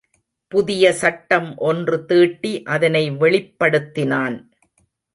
புதிய சட்டம் ஒன்று தீட்டி அதனை வெளிப்படுத்தினான்.